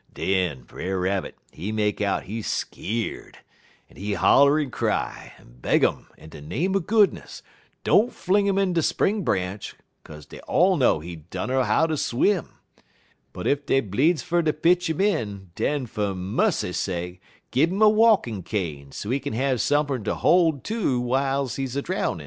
"Den Brer Rabbit, he make out he skeerd, en he holler en cry, en beg um, in de name er goodness, don't fling 'im in de spring branch, kaze dey all know he dunner how ter swim: but ef dey bleedz fer ter pitch 'im in, den for mussy sake gin' 'im a walkin' cane, so he kin have sumpin' ter hol' ter w'iles he drownin'.